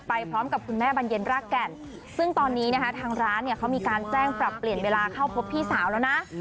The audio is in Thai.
พร้อมกับคุณแม่บรรเย็นรากแก่นซึ่งตอนนี้นะคะทางร้านเนี่ยเขามีการแจ้งปรับเปลี่ยนเวลาเข้าพบพี่สาวแล้วนะ